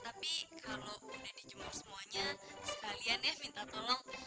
tapi kalau udah dijemur semuanya sekalian ya minta tolong